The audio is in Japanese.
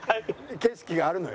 景色があるのよ。